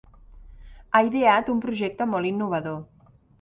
Ha ideat un projecte molt innovador.